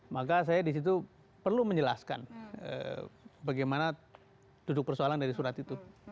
maka saya disitu perlu menjelaskan bagaimana duduk persoalan dari surat itu